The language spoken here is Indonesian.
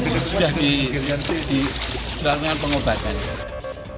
sudah diberi pengubahannya